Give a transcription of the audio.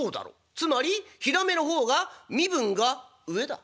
つまりひらめの方が身分が上だ。